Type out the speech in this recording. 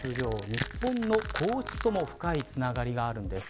日本の皇室とも深いつながりがあるんです。